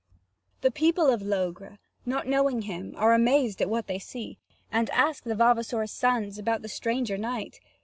The people of Logres, not knowing him, are amazed at what they see, and ask the vavasor's sons about the stranger knight.